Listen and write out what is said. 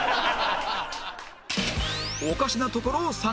おかしなところを探せ！